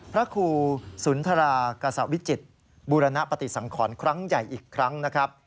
พระครูสุนทรากษวิจิตรบูรณปฏิสังขรครั้งใหญ่อีกครั้งนะครับ